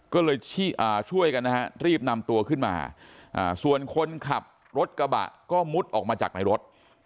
ก็เลยช่วยกันนะฮะรีบนำตัวขึ้นมาส่วนคนขับรถกระบะก็มุดออกมาจากในรถ